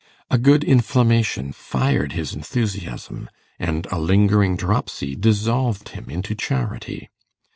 A good inflammation fired his enthusiasm, and a lingering dropsy dissolved him into charity.